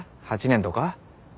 ８年とか？